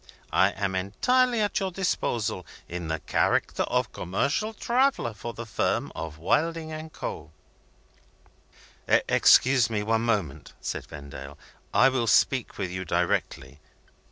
I am entirely at your disposal, in the character of commercial traveller for the firm of Wilding and Co." "Excuse me for one moment," said Vendale; "I will speak to you directly."